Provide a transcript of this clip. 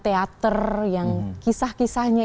teater yang kisah kisahnya